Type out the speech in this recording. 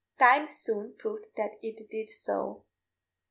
Time soon proved that it did so.